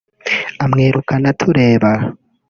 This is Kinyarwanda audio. amwirukana tureba